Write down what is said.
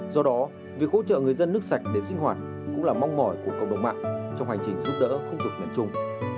do đó việc hỗ trợ người dân nước sạch để sinh hoạt cũng là mong mỏi của cộng đồng mạng trong hành trình giúp đỡ khu vực miền trung